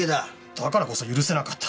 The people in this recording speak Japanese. だからこそ許せなかった。